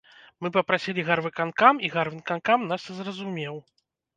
Мы папрасілі гарвыканкам, і гарвыканкам нас зразумеў.